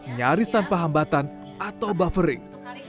nyaris tanpa hambatan atau buffering